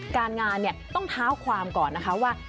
การงานต้องเท้าความก่อนนะคะว่า